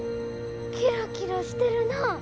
キラキラしてるな。